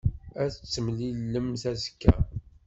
Ad t-temlilemt azekka.